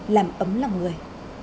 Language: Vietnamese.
làm ấm lòng người